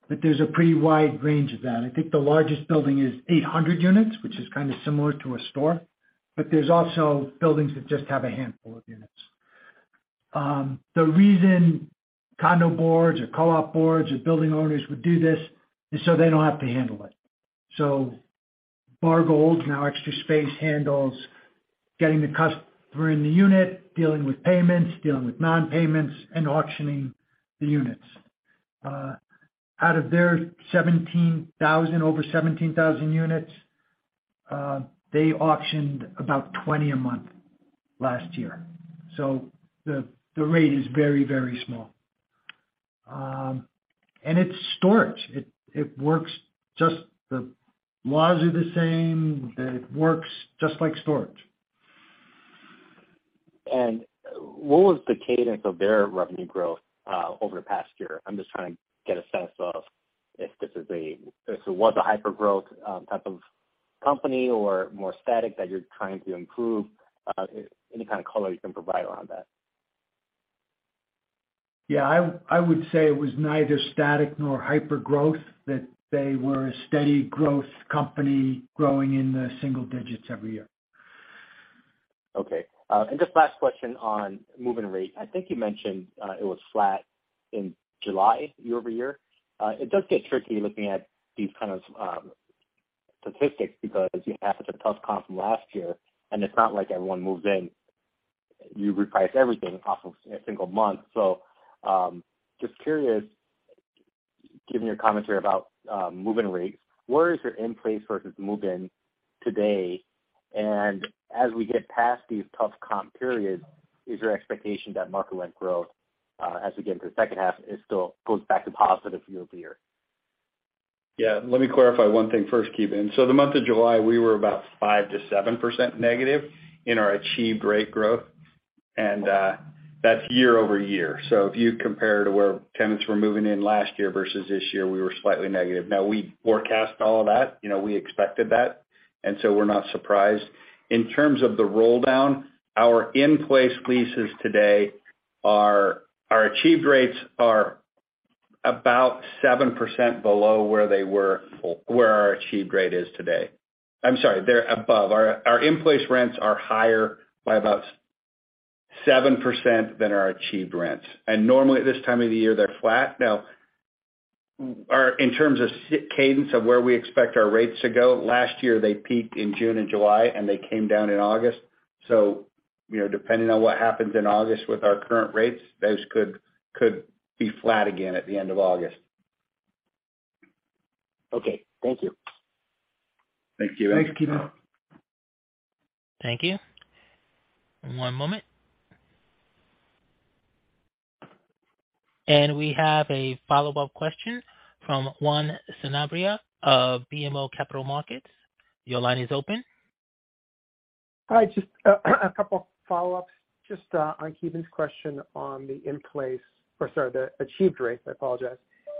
but there's a pretty wide range of that. I think the largest building is 800 units, which is kind of similar to a store, but there's also buildings that just have a handful of units. The reason condo boards or co-op boards or building owners would do this is so they don't have to handle it. Bargold, now Extra Space handles getting the customer in the unit, dealing with payments, dealing with non-payments, and auctioning the units. Out of their 17,000, over 17,000 units, they auctioned about 20 a month last year. The rate is very, very small. It's storage. It works just the laws are the same. It works just like storage. What was the cadence of their revenue growth over the past year? I'm just trying to get a sense of if it was a hyper-growth type of company or more static that you're trying to improve, any kind of color you can provide around that. Yeah, I would say it was neither static nor hyper-growth, that they were a steady growth company growing in the single digits every year. Okay. Just last question on move-in rate. I think you mentioned, it was flat in July year-over-year. It does get tricky looking at these kind of statistics because you have the tough comp from last year, and it's not like everyone moves in, you reprice everything across a single month. Just curious, given your commentary about move-in rates, where is your in-place versus move-in today? And as we get past these tough comp periods, is your expectation that market-led growth, as we get into the second half is still goes back to positive year-over-year? Yeah. Let me clarify one thing first, Ki Bin. The month of July, we were about 5%-7% negative in our achieved rate growth, and that's year-over-year. If you compare to where tenants were moving in last year versus this year, we were slightly negative. Now we forecast all of that. You know, we expected that, and we're not surprised. In terms of the roll down, our in-place leases today are our achieved rates are about 7% below where our achieved rate is today. I'm sorry, they're above. Our in-place rents are higher by about 7% than our achieved rents. Normally this time of the year, they're flat. In terms of cadence of where we expect our rates to go, last year they peaked in June and July, and they came down in August. You know, depending on what happens in August with our current rates, those could be flat again at the end of August. Okay. Thank you. Thank you. Thanks, Ki Bin. Thank you. One moment. We have a follow-up question from Juan Sanabria of BMO Capital Markets. Your line is open. Hi, just a couple follow-ups. Just on Ki Bin's question on the achieved rates. I apologize.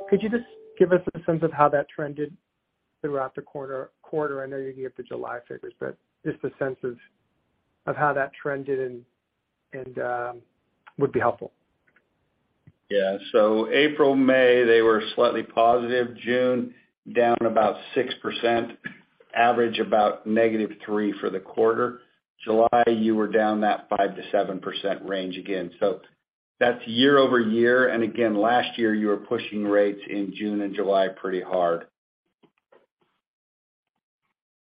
Could you just give us a sense of how that trended throughout the quarter? I know you gave the July figures, but just a sense of how that trended and would be helpful. Yeah. April, May, they were slightly positive. June, down about 6%. Average about negative 3% for the quarter. July, you were down that 5%-7% range again. That's year-over-year. Again, last year, you were pushing rates in June and July pretty hard.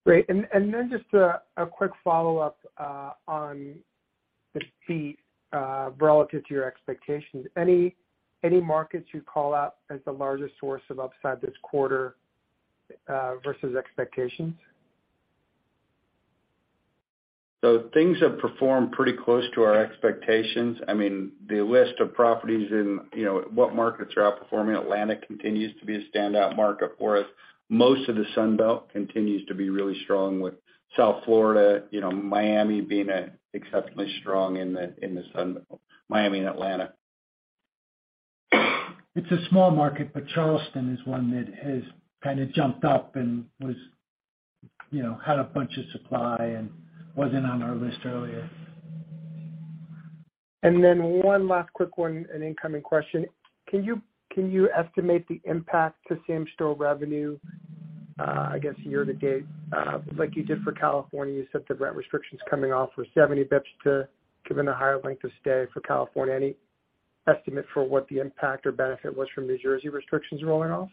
Great. Just a quick follow-up on the fee relative to your expectations. Any markets you'd call out as the largest source of upside this quarter versus expectations? Things have performed pretty close to our expectations. I mean, the list of properties in, you know, what markets are outperforming, Atlanta continues to be a standout market for us. Most of the Sun Belt continues to be really strong with South Florida, you know, Miami being exceptionally strong in the Sun Belt. Miami and Atlanta. It's a small market, but Charleston is one that has kinda jumped up and was, you know, had a bunch of supply and wasn't on our list earlier. One last quick one, an incoming question. Can you estimate the impact to same-store revenue, I guess year to date, like you did for California? You said the rent restrictions coming off were 70 basis points too, given the higher length of stay for California. Any estimate for what the impact or benefit was from New Jersey restrictions rolling off?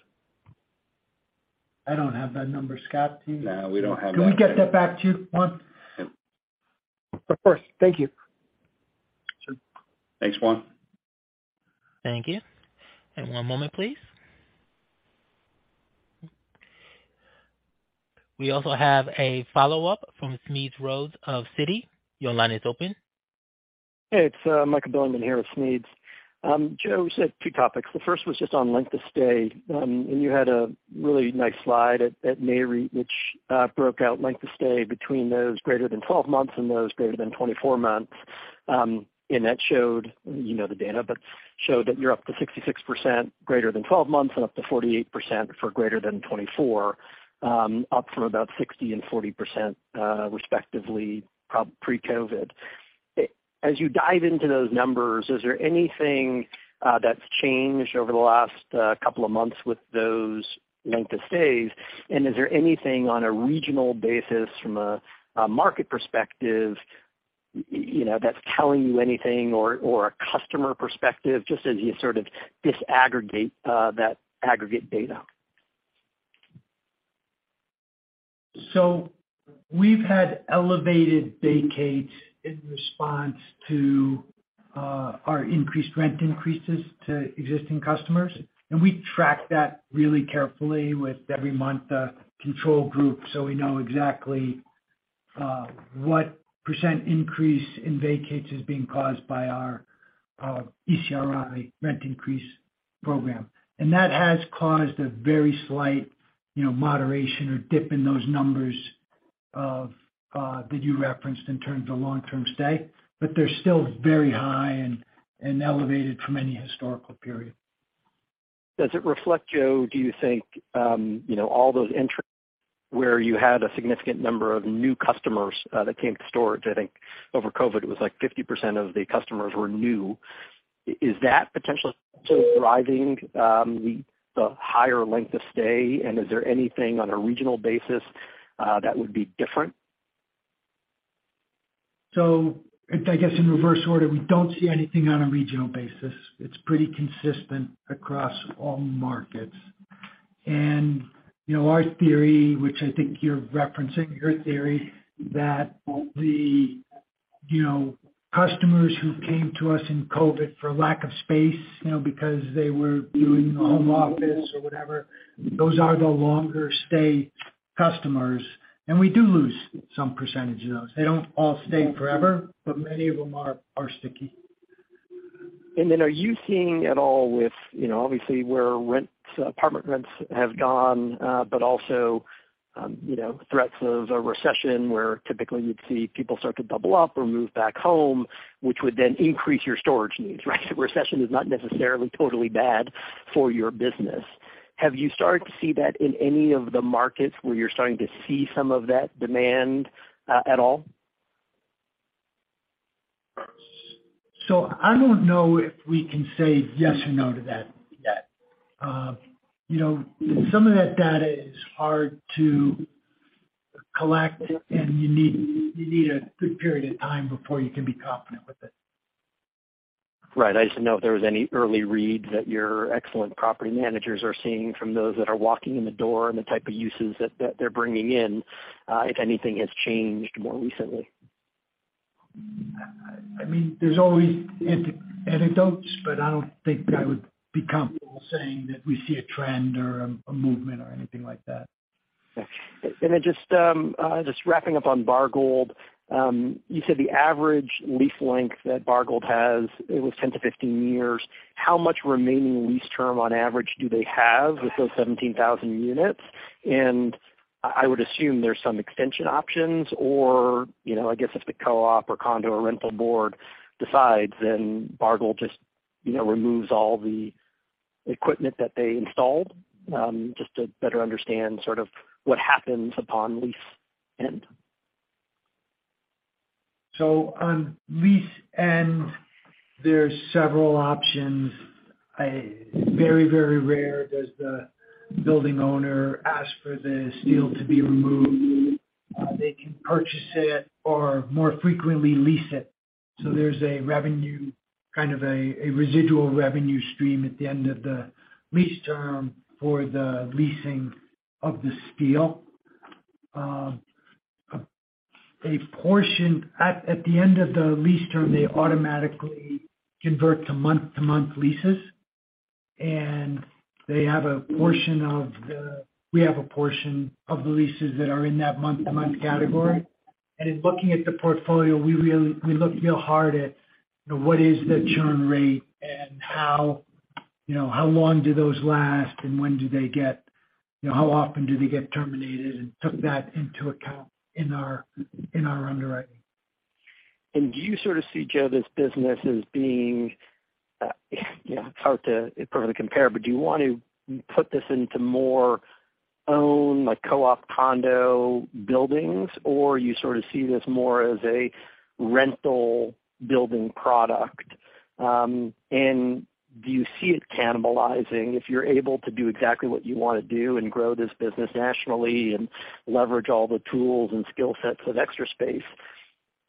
I don't have that number, Scott. Do you? No, we don't have that. Can we get that back to you, Juan? Of course. Thank you. Sure. Thanks, Juan. Thank you. One moment, please. We also have a follow-up from Smedes Rose of Citi. Your line is open. Hey, it's Michael Bilerman here with Smedes. Joe, two topics. The first was just on length of stay. You had a really nice slide at Nareit, which broke out length of stay between those greater than 12 months and those greater than 24 months. That showed, you know the data, but showed that you're up to 66% greater than 12 months and up to 48% for greater than 24, up from about 60% and 40%, respectively, pre-COVID. As you dive into those numbers, is there anything that's changed over the last couple of months with those length of stays? Is there anything on a regional basis from a market perspective, you know, that's telling you anything or a customer perspective, just as you sort of disaggregate that aggregate data? We've had elevated vacates in response to our increased rent increases to existing customers. We track that really carefully with every month control group, so we know exactly what percent increase in vacates is being caused by our ECRI rent increase program. That has caused a very slight, you know, moderation or dip in those numbers of that you referenced in terms of long-term stay. They're still very high and elevated from any historical period. Does it reflect, Joe, do you think, you know, all those where you had a significant number of new customers that came to storage? I think over COVID, it was like 50% of the customers were new. Is that potentially driving the higher length of stay? Is there anything on a regional basis that would be different? I guess in reverse order, we don't see anything on a regional basis. It's pretty consistent across all markets. You know, our theory, which I think you're referencing your theory, that the, you know, customers who came to us in COVID for lack of space, you know, because they were doing the home office or whatever, those are the longer stay customers. We do lose some percentage of those. They don't all stay forever, but many of them are sticky. Are you seeing at all with, you know, obviously where rents, apartment rents have gone, but also, you know, threats of a recession where typically you'd see people start to double up or move back home, which would then increase your storage needs, right? Recession is not necessarily totally bad for your business. Have you started to see that in any of the markets where you're starting to see some of that demand, at all? I don't know if we can say yes or no to that yet. You know, some of that data is hard to collect, and you need a good period of time before you can be confident with it. Right. I just didn't know if there was any early reads that your excellent property managers are seeing from those that are walking in the door and the type of uses that they're bringing in, if anything has changed more recently. I mean, there's always anecdotes, but I don't think I would be comfortable saying that we see a trend or a movement or anything like that. Okay. Just wrapping up on Bargold. You said the average lease length that Bargold has, it was 10-15 years. How much remaining lease term on average do they have with those 17,000 units? I would assume there's some extension options or, you know, I guess if the co-op or condo or rental board decides, then Bargold just, you know, removes all the equipment that they installed, just to better understand sort of what happens upon lease end. On lease end, there are several options. Very, very rare does the building owner ask for the steel to be removed. They can purchase it or more frequently lease it. There's a revenue, kind of a residual revenue stream at the end of the lease term for the leasing of the steel. A portion at the end of the lease term, they automatically convert to month-to-month leases, and we have a portion of the leases that are in that month-to-month category. In looking at the portfolio, we look real hard at, you know, what is the churn rate and how, you know, how long do those last and when do they get, you know, how often do they get terminated and took that into account in our underwriting. Do you sort of see, Joe, this business as being, you know, it's hard to perfectly compare, but do you want to put this into more own like co-op condo buildings? You sort of see this more as a rental building product? Do you see it cannibalizing if you're able to do exactly what you wanna do and grow this business nationally and leverage all the tools and skill sets of Extra Space?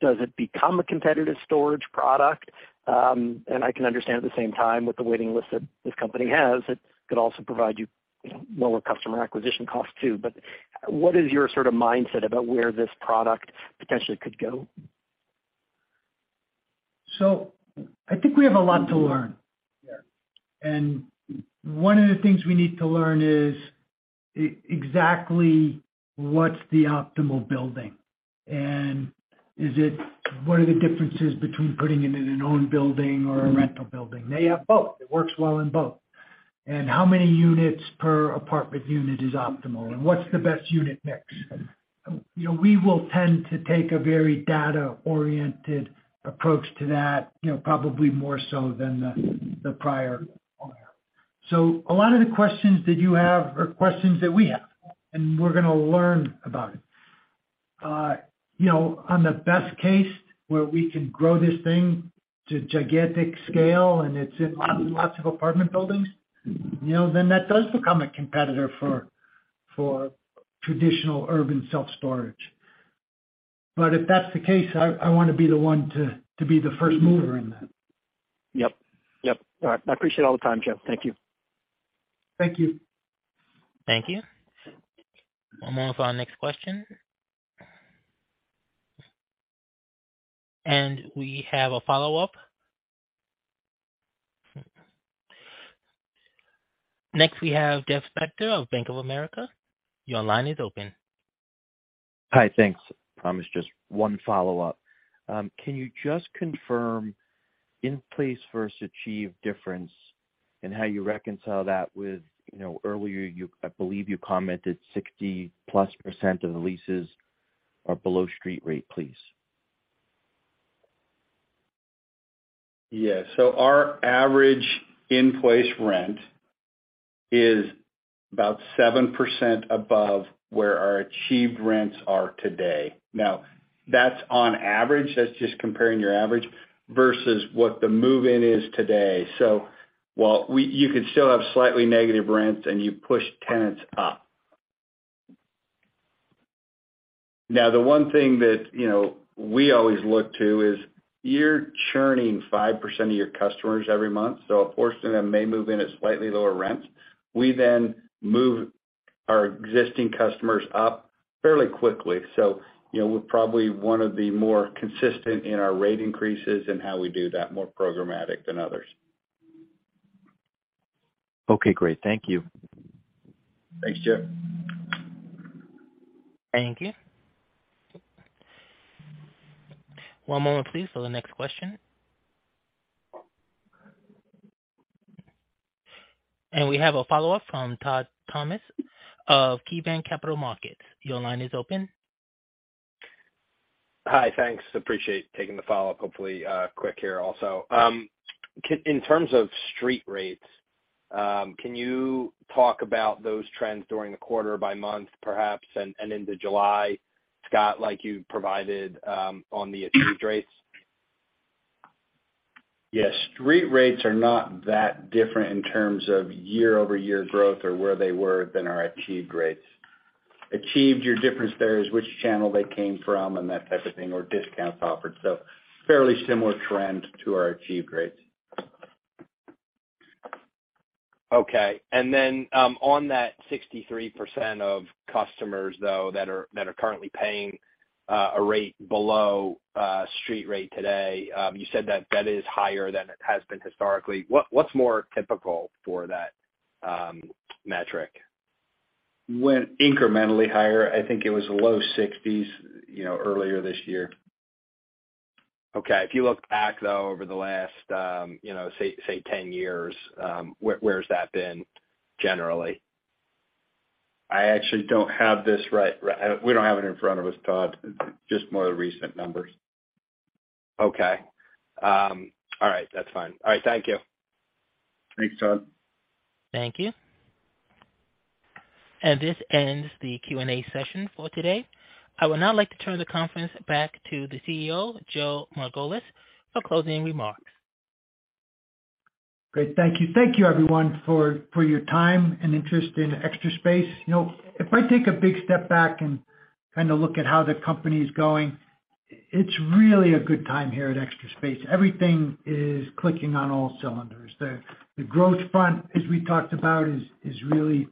Does it become a competitive storage product? I can understand at the same time with the waiting list that this company has, it could also provide you lower customer acquisition costs too. What is your sort of mindset about where this product potentially could go? I think we have a lot to learn. Yeah. One of the things we need to learn is exactly what's the optimal building and what are the differences between putting it in an owned building or a rental building? They have both. It works well in both. How many units per apartment unit is optimal, and what's the best unit mix? You know, we will tend to take a very data-oriented approach to that, you know, probably more so than the prior owner. A lot of the questions that you have are questions that we have, and we're gonna learn about it. You know, on the best case where we can grow this thing to gigantic scale and it's in lots of apartment buildings, you know, then that does become a competitor for traditional urban self-storage. If that's the case, I wanna be the one to be the first mover in that. Yep. Yep. All right. I appreciate all the time, Joe. Thank you. Thank you. Thank you. One moment for our next question. We have a follow-up. Next, we have Jeff Spector of Bank of America. Your line is open. Hi. Thanks. Promise, just one follow-up. Can you just confirm in-place versus achieved difference and how you reconcile that with, you know, earlier you, I believe you commented 60+% of the leases are below street rate, please. Yeah. Our average in-place rent is about 7% above where our achieved rents are today. Now, that's on average. That's just comparing your average versus what the move-in is today. While you could still have slightly negative rents, and you push tenants up. Now, the one thing that, you know, we always look to is you're churning 5% of your customers every month, so a portion of them may move in at slightly lower rents. We then move our existing customers up fairly quickly. You know, we're probably one of the more consistent in our rate increases and how we do that, more programmatic than others. Okay, great. Thank you. Thanks, Jeff. Thank you. One moment please for the next question. We have a follow-up from Todd Thomas of KeyBanc Capital Markets. Your line is open. Hi. Thanks. Appreciate taking the follow-up. Hopefully, quick here also. In terms of street rates, can you talk about those trends during the quarter by month, perhaps, and into July, Scott, like you provided, on the achieved rates? Yeah. Street rates are not that different in terms of year-over-year growth or where they were than our achieved rates. Achieved, your difference there is which channel they came from and that type of thing or discounts offered. Fairly similar trend to our achieved rates. Okay. On that 63% of customers, though, that are currently paying a rate below street rate today, you said that that is higher than it has been historically. What's more typical for that metric? Went incrementally higher. I think it was low 60s, you know, earlier this year. Okay. If you look back, though, over the last, you know, say 10 years, where's that been generally? We don't have it in front of us, Todd, just more recent numbers. Okay. All right. That's fine. All right. Thank you. Thanks, Todd. Thank you. This ends the Q&A session for today. I would now like to turn the conference back to the CEO, Joe Margolis, for closing remarks. Great. Thank you. Thank you, everyone, for your time and interest in Extra Space. You know, if I take a big step back and kind of look at how the company is going, it's really a good time here at Extra Space. Everything is clicking on all cylinders. The growth front, as we talked about, is really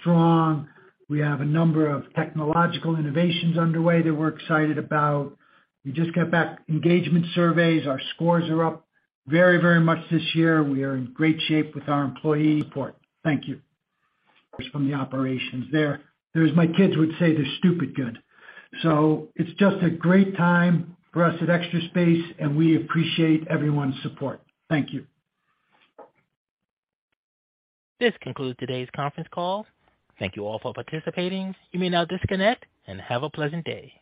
strong. We have a number of technological innovations underway that we're excited about. We just got back engagement surveys. Our scores are up very, very much this year. We are in great shape with our employee report. Thank you. Of course, from the operations there. That's what my kids would say they're stupid good. It's just a great time for us at Extra Space, and we appreciate everyone's support. Thank you. This concludes today's conference call. Thank you all for participating. You may now disconnect and have a pleasant day.